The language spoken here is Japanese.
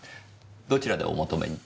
どちらでお求めに？